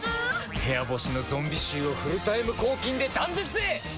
部屋干しのゾンビ臭をフルタイム抗菌で断絶へ！